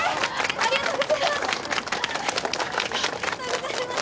ありがとうございます。